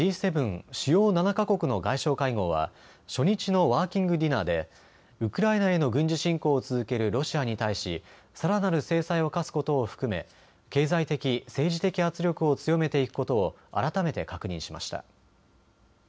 ・主要７か国の外相会合は初日のワーキングディナーでウクライナへの軍事侵攻を続けるロシアに対し、さらなる制裁を科すことを含め経済的・政治的圧力を強めていくことを改めて確認しました。